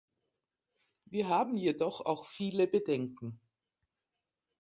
Wir haben jedoch auch viele Bedenken.